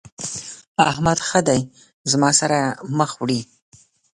احمد ښه دی زما سره مخ وړي.